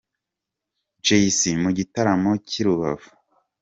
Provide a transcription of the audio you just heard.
Jay C mu gitaramo cy'i Rubavu.